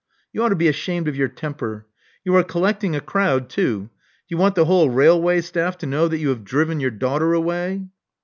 You ought to be ashamed of your temper. You are collecting a crowd too. Do you want the whole railway staff to know that you have driven your daughter away?"